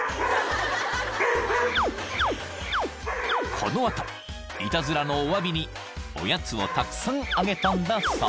［この後いたずらのおわびにおやつをたくさんあげたんだそう］